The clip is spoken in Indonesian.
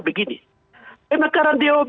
begini pendekatan dob